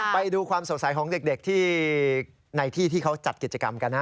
ไปดูความสดใสของเด็กที่ในที่ที่เขาจัดกิจกรรมกันนะ